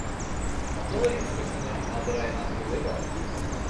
Аҡылы юҡ кешенең аҙырайған күҙе бар.